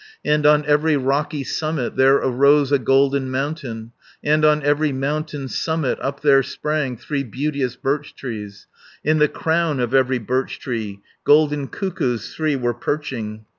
And on every rocky summit There arose a golden mountain. And on every mountain summit Up there sprang three beauteous birch trees, In the crown of every birch tree, Golden cuckoos three were perching.